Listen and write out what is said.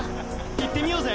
行ってみようぜ！